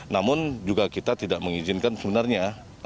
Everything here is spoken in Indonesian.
namun juga kita tidak mengizinkan sebenarnya